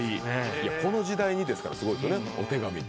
この時代にですからすごいですよねお手紙。